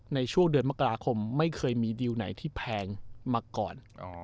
ในช่วงเดือนมกราคมไม่เคยมีดีลไหนที่แพงมาก่อน